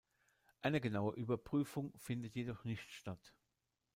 Eine genaue Überprüfung findet jedoch nicht statt.